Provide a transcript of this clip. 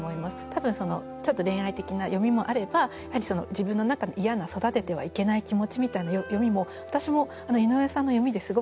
多分ちょっと恋愛的な読みもあればやはり自分の中の嫌な育ててはいけない気持ちみたいな読みも私も井上さんの読みですごく気付かされたところが。